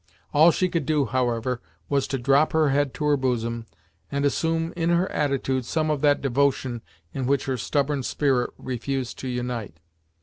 All she could do, however, was to drop her head to her bosom, and assume in her attitude some of that devotion in which her stubborn spirit refused to unite.